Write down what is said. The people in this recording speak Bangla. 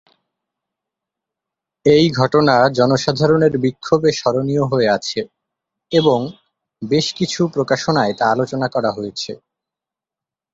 এই ঘটনা জনসাধারণের বিক্ষোভে স্মরণীয় হয়ে আছে এবং বেশ কিছু প্রকাশনায় তা আলোচনা করা হয়েছে।